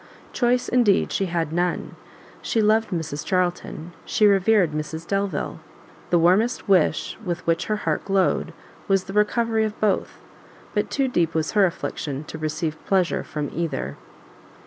Choice, indeed, she had none; she loved Mrs Charlton, she revered Mrs Delvile; the warmest wish with which her heart glowed, was the recovery of both, but too deep was her affliction to receive pleasure from either.